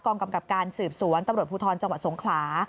กำกับการสืบสวนตำรวจภูทรจังหวัดสงขลา